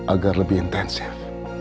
agar lebih intensif